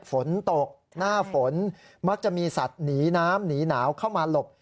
ฝนตกหน้าฝนมักจะมีสัตว์หนีน้ำหนีหนาวเข้ามาหลบ